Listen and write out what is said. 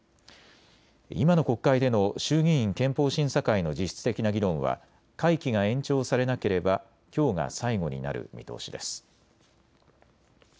今の国会での衆議院憲法審査会の実質的な議論は会期が延長されなければきょうが最後になる見通しです。